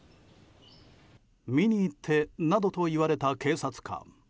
見に行ってなどと言われた警察官。